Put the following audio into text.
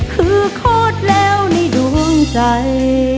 คือโคตรแล้วในดวงใจ